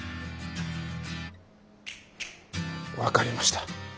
分かりました。